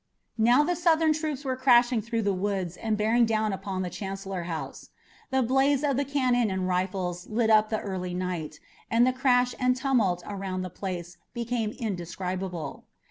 Now the Southern troops were crashing through the woods and bearing down upon the Chancellor House. The blaze of the cannon and rifles lit up the early night, and the crash and tumult around the place became indescribable.